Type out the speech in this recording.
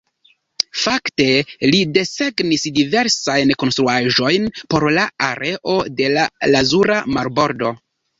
Fakte li desegnis diversajn konstruaĵojn por la areo de la Lazura Marbordo.